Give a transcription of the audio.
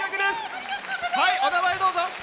お名前、どうぞ。